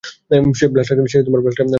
সে ব্লাস্টারকে ধরে ফেলেছে!